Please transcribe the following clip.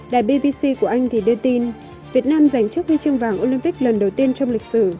đài bvc của anh thì đưa tin việt nam giành chức huy chương vàng olympic lần đầu tiên trong lịch sử